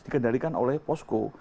dikendalikan oleh posko